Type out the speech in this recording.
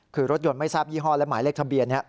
คือรถยนต์ไม่ทราบยี่ห้อและหมายเลขทะเบียน